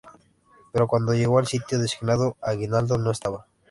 Pero cuando llegó al sitio designado, Aguinaldo no estaba.